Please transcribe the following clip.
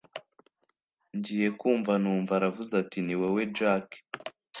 ngiye kumva numva aravuze ati ni wowe jack!